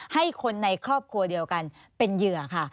ให้คนในครอบครัวเดียวกันเป็นเหยื่อค่ะ